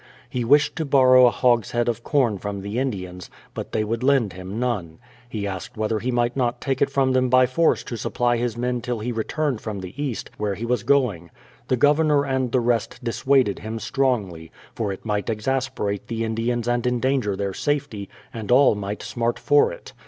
He wished to borrow a hogshead of corn from the Indians, but they would lend him none. He asked whether he might not take it from them by force to supply his men till he returned from the east, where he was going. The governor and the rest dissuaded him strongly, for it might exasperate the Indians and endanger their safety, and all might smart for it.